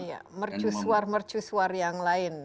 ya mercusuar mercusuar yang lain ya